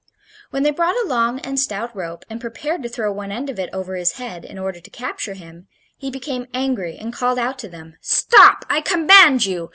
When they brought a long and stout rope, and prepared to throw one end of it over his head, in order to capture him, he became angry and called out to them: "Stop I command you!